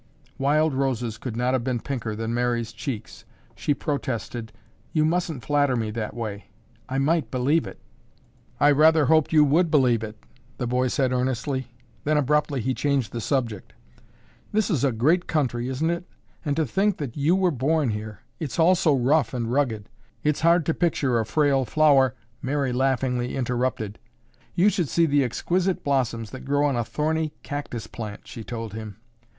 Wild roses could not have been pinker than Mary's cheeks. She protested, "You mustn't flatter me that way. I might believe it." "I rather hoped you would believe it," the boy said earnestly, then abruptly he changed the subject. "This is a great country, isn't it? And to think that you were born here. It's all so rough and rugged, it's hard to picture a frail flower—" Mary laughingly interrupted. "You should see the exquisite blossoms that grow on a thorny cactus plant," she told him.